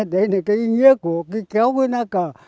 đấy là cái ý nghĩa của cái kéo với na cờ